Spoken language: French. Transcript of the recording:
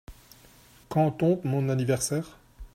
Quand tombe mon anniversaire ?